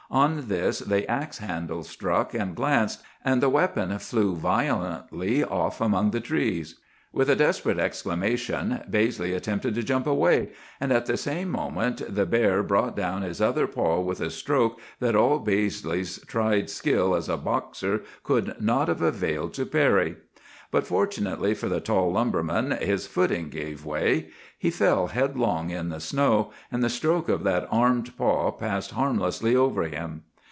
On this the axe handle struck and glanced, and the weapon flew violently off among the trees. "With a desperate exclamation Baizley attempted to jump away; and at the same moment the bear brought down his other paw with a stroke that all Baizley's tried skill as a boxer would not have availed to parry. But fortunately for the tall lumberman, his footing gave way. He fell headlong in the snow, and the stroke of that armed paw passed harmlessly over him.